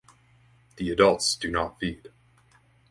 The adults do not feed.